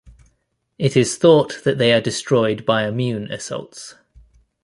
It is thought that they are destroyed by immune assaults.